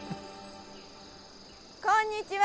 こんにちは！